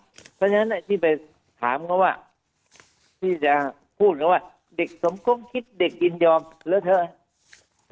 เพราะฉะนั้นที่ไปถามเขาว่าที่จะพูดเขาว่าเด็กสมคมคิดเด็กยินยอมแล้วเถอะ